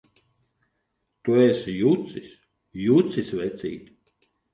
Tu esi jucis! Jucis, vecīt!